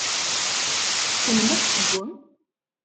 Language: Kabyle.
Tessnem ad tessewwem?